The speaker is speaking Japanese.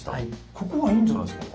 ここはいいんじゃないですか？